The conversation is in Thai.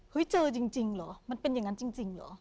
เฮ้ยเจอจริงจริงเหรอมันเป็นอย่างงั้นจริงจริงเหรอ